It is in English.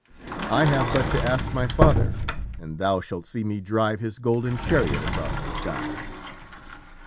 I have but to ask my father, and thou shalt see me drive his golden chariot across the sky."